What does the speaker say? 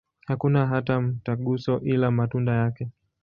Hakuna hati za mtaguso, ila matunda yake.